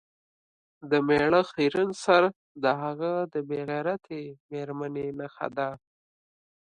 د میړه خیرن سر د هغه د بې غیرتې میرمنې نښه ده.